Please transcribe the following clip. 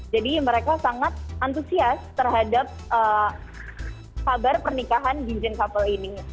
mereka sangat antusias terhadap kabar pernikahan jin couple ini